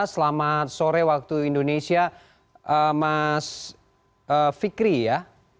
selamat sore waktu indonesia mas fikri ya